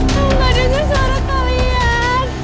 kamu gak denger suara kalian